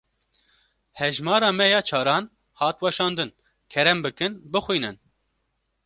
Hejmara me ya çaran hat weşandin. Kerem bikin bixwînin.